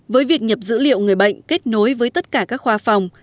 với việc nhập dữ liệu người bệnh kết nối với tất cả các khoa phòng